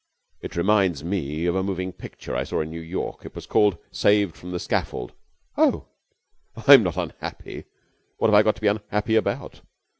"It reminds me of a moving picture I saw in New York. It was called 'Saved from the Scaffold.'" "Oh!" "I'm not unhappy. What have I got to be unhappy about?